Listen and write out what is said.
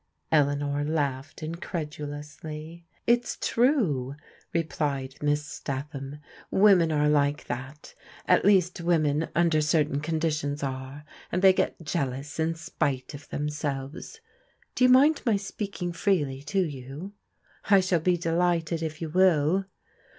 Eleanor laughed incredulously. " It's true/' replied Miss Statham. " Women are like that, at least women tmder ctTtam cotvfiaSvoxv^ '^^^^ '^s^^ 350 PRODIGAL DAUOHTEBS they get jealous in spite of themselves. Do you mind my speaking freely to you? " I shaU be delighted if you will."